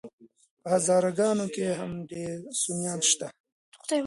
په هزاره ګانو کي هم ډير سُنيان شته